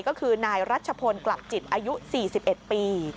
ก็คือนายรัชพลกลับจิตอายุ๔๑ปี